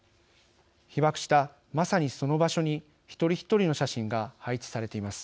被爆した、まさにその場所に一人一人の写真が配置されています。